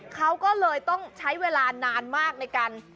เขาก็เลยต้องใช้เวลานานมากในการ